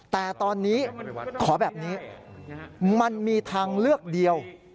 แต่ตอนนี้ขอแบบนี้มันมีทางเลือกเดียว